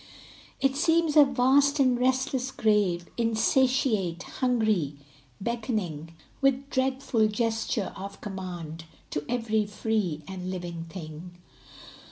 It seems a vast and restless grave, Insatiate, hungry, beckoning With dreadful gesture of command To every free and living thing.